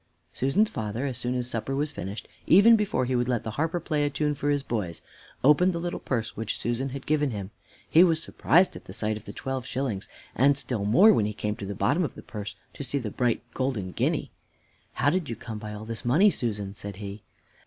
Susan's father, as soon as supper was finished, even before he would let the harper play a tune for his boys, opened the little purse which Susan had given him. He was surprised at the sight of the twelve shillings, and still more, when he came to the bottom of the purse to see the bright golden guinea. "How did you come by all this money, Susan?" said he.